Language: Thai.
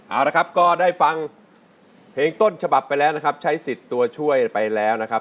เอาละครับก็ได้ฟังเพลงต้นฉบับไปแล้วนะครับใช้สิทธิ์ตัวช่วยไปแล้วนะครับ